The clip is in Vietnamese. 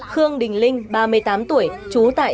khương đình linh ba mươi tám tuổi